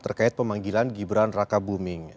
terkait pemanggilan gibran raka buming